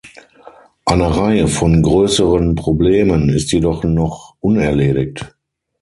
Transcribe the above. Eine Reihe von größeren Problemen ist jedoch noch unerledigt.